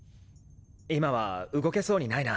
今は動けそうにないな。